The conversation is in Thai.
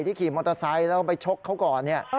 ขี่มอเตอร์ไซค์แล้วไปชกเขาก่อนเนี่ย